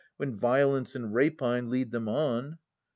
When violence and rapine lead them on.